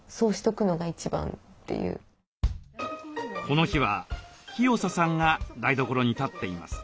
この日はひよささんが台所に立っています。